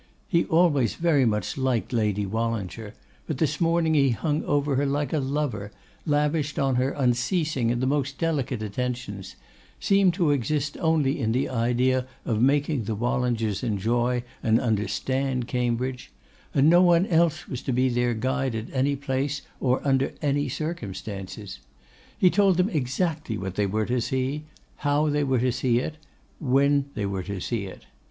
He always very much liked Lady Wallinger, but this morning he hung over her like a lover, lavished on her unceasing and the most delicate attentions, seemed to exist only in the idea of making the Wallingers enjoy and understand Cambridge; and no one else was to be their guide at any place or under any circumstances. He told them exactly what they were to see; how they were to see it; when they were to see it.